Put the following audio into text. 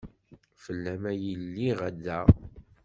Fell-am ay lliɣ da.